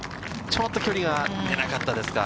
ちょっと距離が出なかったですか。